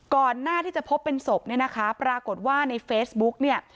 ก่อนหน้าที่จะพบเป็นศพเนี่ยนะคะปรากฏว่าในเฟซบุ๊กเนี่ย